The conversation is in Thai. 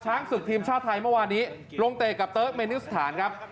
ศึกทีมชาติไทยเมื่อวานนี้ลงเตะกับเติร์กเมนิสถานครับ